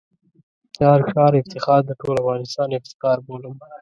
د هر ښار افتخار د ټول افغانستان افتخار بولم.